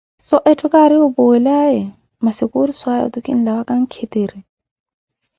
So etthu kaari wupuwelaye, masi Kursu aya otu kinlawa kankhitiri?